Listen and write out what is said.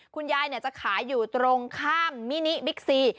คุณยายจะขายอยู่ตรงข้ามมินิบิ๊กซี